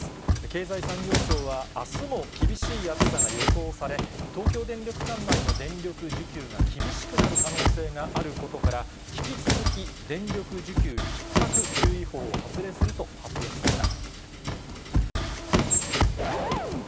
経済産業省は、あすも厳しい暑さが予想され、東京電力管内の電力需給が厳しくなる可能性があることから、引き続き、電力需給ひっ迫注意報を発令すると発表しました。